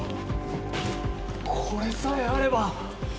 これさえあれば。